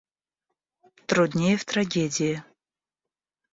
Труднее в трагедии.